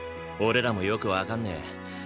俺らもよくわかんねえ。